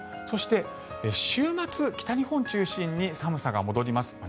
そして、週末、北日本を中心に寒さが戻ります。